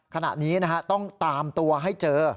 ขณะนี้ต้องตามตัวให้เจอ